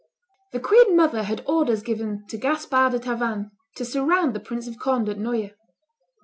The queen mother had orders given to Gaspard de Tavannes to surround the Prince of Conde at Noyers.